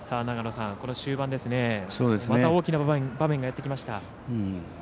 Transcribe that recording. この終盤、大きな場面がやってきました。